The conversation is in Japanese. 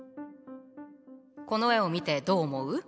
この絵を見てどう思う？